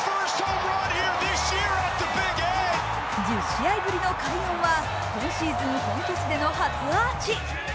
１０試合ぶりの快音は今シーズン本拠地での初アーチ。